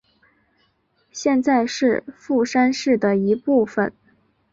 现在是富山市的一部分。